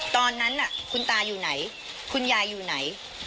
ตอนนั้นคุณตาอยู่ไหนคุณยายอยู่ไหน